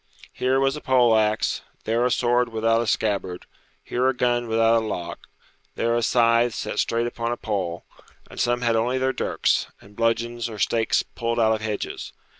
Here was a pole axe, there a sword without a scabbard; here a gun without a lock, there a scythe set straight upon a pole; and some had only their dirks, and bludgeons or stakes pulled out of hedges.